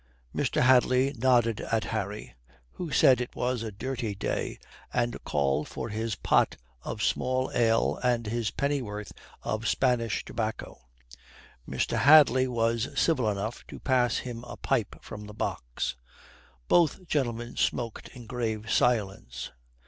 Mr. Hadley nodded at Harry, who said it was a dirty day, and called for his pot of small ale and his pennyworth of Spanish tobacco. Mr. Hadley was civil enough to pass him a pipe from the box. Both gentlemen smoked in grave silence.